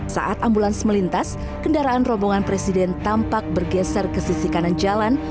saat ambulans melintas kendaraan rombongan presiden tampak bergeser ke sisi kanan jalan